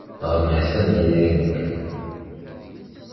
Ɣef leḥsab n yidrimen kan.